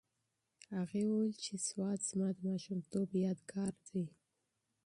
هغې وویل چې سوات زما د ماشومتوب یادګار دی.